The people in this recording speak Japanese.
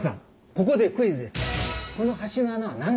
ここでクイズです。